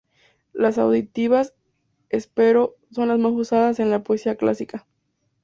Las auditivas, empero, son las más usadas en la poesía clásica.